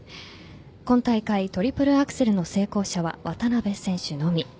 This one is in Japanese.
今大会トリプルアクセルの成功者は渡辺選手のみ。